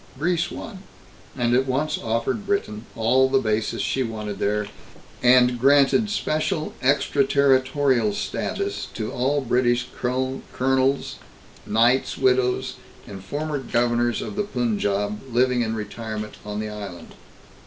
Greece won, and at once offered Britain all the bases she wanted there, and granted special extraterritorial status to all British colonels, knights' widows and former governors of the Punjab living in retirement on the island.